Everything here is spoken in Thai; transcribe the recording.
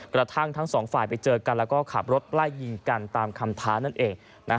กระทั่งทั้งสองฝ่ายไปเจอกันแล้วก็ขับรถไล่ยิงกันตามคำท้านั่นเอง